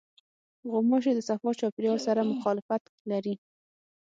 غوماشې د صفا چاپېریال سره مخالفت لري.